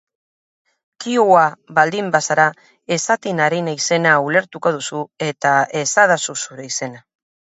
Kiowa baldin bazara, esaten ari naizena ulertuko duzu eta esadazu zure izena.